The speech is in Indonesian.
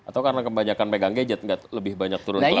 atau karena kebanyakan megang gadget nggak lebih banyak turun ke lapangan